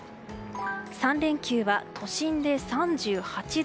３連休は都心で３８度。